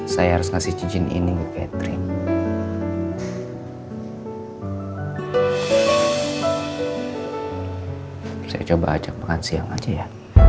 saya coba ajak makan siang aja ya